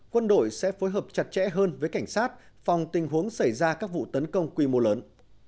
quân đội sẽ phối hợp chặt chẽ hơn với cảnh sát phòng tình huống xảy ra các vụ tấn công quy mô lớn